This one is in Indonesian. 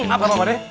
apa pak pade